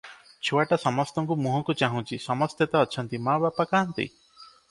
ଛୁଆଟା ସମସ୍ତଙ୍କ ମୁହଁକୁ ଚାହୁଁଛି--ସମସ୍ତେ ତ ଅଛନ୍ତି, ମା ବାପା କାହାନ୍ତି?